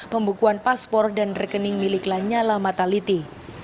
pembukuan paspor dan rekening milik lanyala mataliti